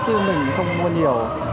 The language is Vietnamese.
chứ mình cũng không mua nhiều